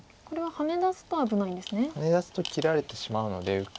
ハネ出すと切られてしまうので受けぐらい。